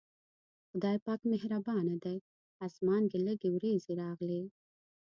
خدای پاک مهربانه دی، اسمان کې لږې وريځې راغلې.